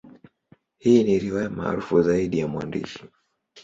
Hii ni riwaya maarufu zaidi ya mwandishi.